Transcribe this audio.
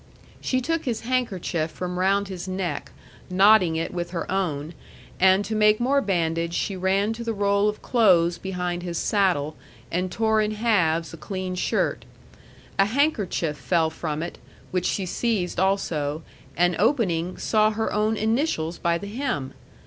She took his handkerchief from round his neck, knotting it with her own, and to make more bandage she ran to the roll of clothes behind his saddle and tore in halves a clean shirt. A handkerchief fell from it, which she seized also, and opening, saw her own initials by the hem.